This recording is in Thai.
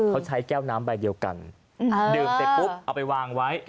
เขาใช้แก้วน้ำใบเดียวกันดื่มเสร็จปุ๊บเอาไปวางไว้